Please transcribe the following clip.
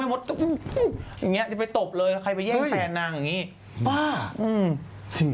อย่างเงี้ยจะไปตบเลยแล้วก็ไปแย่งแฟนนางอย่างงี้